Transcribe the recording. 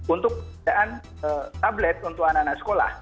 untuk pilihan tablet untuk anak anak